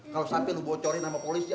kalau sampai lu bocorin sama polisi